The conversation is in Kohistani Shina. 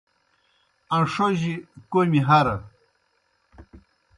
اݩݜوجیْ کوْمی ہرہ۔